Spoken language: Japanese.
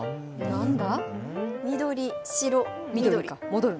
何だ？